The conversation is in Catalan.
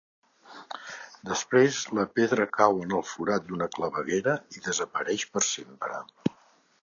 Després la pedra cau en el forat d'una claveguera i desapareix per sempre.